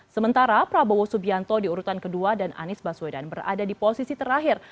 sementara prabowo subianto di urutan kedua dan anies baswedan berada di posisi terakhir